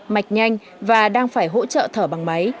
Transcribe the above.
mạch nhanh và đang phải hỗ trợ thở bằng máy